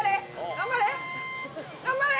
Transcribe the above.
頑張れ！